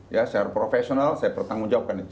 secara profesional saya pertanggung jawabkan itu